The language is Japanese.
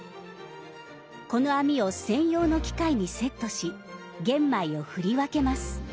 この網を専用の機械にセットし玄米を振り分けます。